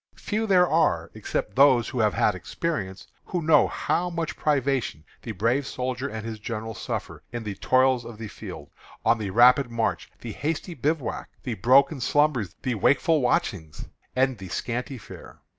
Few there are, except those who have had experience, who know how much privation the brave soldier and his general suffer in the toils of the field, on the rapid march, the hasty bivouac, the broken slumbers, the wakeful watchings, and the scanty fare."